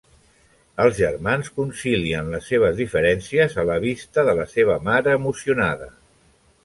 Els germans concilien les seves diferències a la vista de la seva mare emocionada.